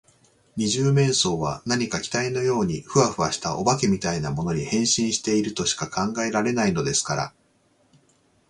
二十面相は何か気体のようにフワフワした、お化けみたいなものに、変身しているとしか考えられないのですから。